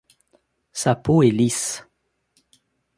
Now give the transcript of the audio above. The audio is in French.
Sa peau est lisse.